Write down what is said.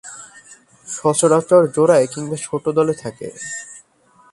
সচরাচর জোড়ায় কিংবা ছোট দলে থাকে।